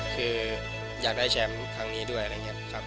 คืออยากได้แชมป์ครั้งนี้ด้วยนะครับ